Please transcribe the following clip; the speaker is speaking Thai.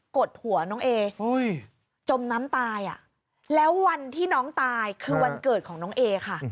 ดหัวน้องเอจมน้ำตายอ่ะแล้ววันที่น้องตายคือวันเกิดของน้องเอค่ะ